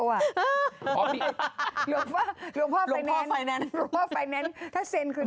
หลวงพ่อไฟแนันซ์